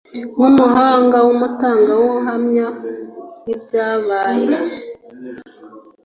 Nk’ umuhanga nk’ umutangabuhamya wibyabaye.